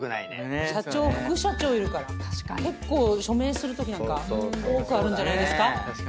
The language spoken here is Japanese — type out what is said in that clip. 社長副社長いるから結構署名するときなんか多くあるんじゃないですか。